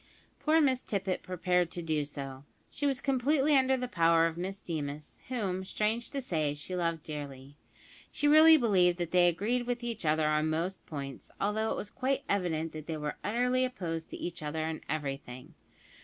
Poor Miss Tippet prepared to do so. She was completely under the power of Miss Deemas, whom, strange to say, she loved dearly. She really believed that they agreed with each other on most points, although it was quite evident that they were utterly opposed to each other in everything.